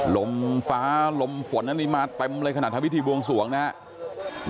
ลมฟ้าลมฝนอันนี้มาเต็มเลยขนาดทำพิธีบวงสวงนะครับ